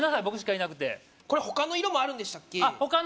僕しかいなくてこれほかの色もあるんでしたっけ？